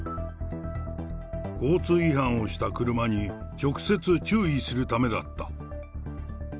交通違反をした車に、直接注意するためだった。